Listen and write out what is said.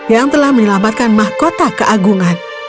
yang telah menyelamatkan mahkota keagungan